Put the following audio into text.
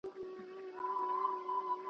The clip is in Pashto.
هېڅوک د هغه د ويرانوونکي رفتار مخه نسي نيولی.